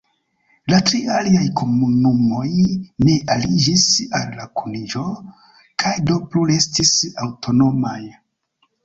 La tri aliaj komunumoj ne aliĝis al la kuniĝo kaj do plu restis aŭtonomaj.